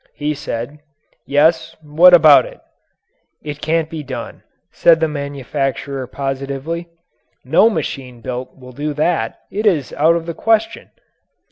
He said: "Yes, what about it?" "It can't be done," said the manufacturer positively, "no machine built will do that it is out of the question."